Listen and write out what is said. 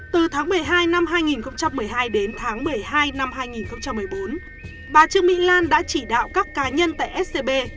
từ tháng một mươi hai năm hai nghìn một mươi hai đến tháng một mươi hai năm hai nghìn một mươi bốn bà trương mỹ lan đã chỉ đạo các cá nhân tại scb